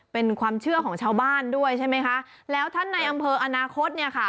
เป็นความเชื่อของชาวบ้านด้วยใช่ไหมคะแล้วท่านในอำเภออนาคตเนี่ยค่ะ